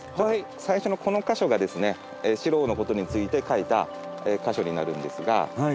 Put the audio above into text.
最初のこの箇所がですね四郎のことについて書いた箇所になるんですが。